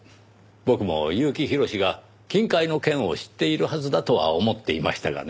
僕も結城宏が金塊の件を知っているはずだとは思っていましたがね。